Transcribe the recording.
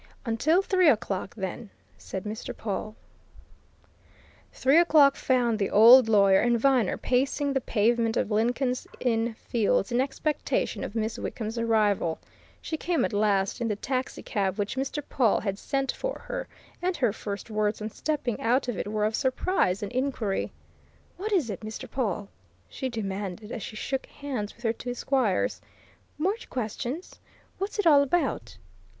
"Until three o'clock, then," said Mr. Pawle. Three o'clock found the old lawyer and Viner pacing the pavement of Lincoln's Inn Fields in expectation of Miss Wickham's arrival. She came at last in the taxicab which Mr. Pawle had sent for her, and her first words on stepping out of it were of surprise and inquiry. "What is it, Mr. Pawle?" she demanded as she shook hands with her two squires. "More questions? What's it all about?"